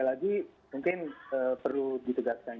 ya sekali lagi mungkin perlu ditegurkan